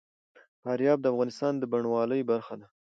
فاریاب د افغانستان د بڼوالۍ برخه ده.